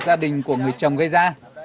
gia đình của người chồng gây ra